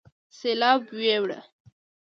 سېلاو يوړ